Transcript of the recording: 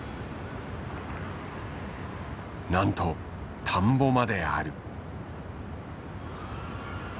なんと田んぼまである。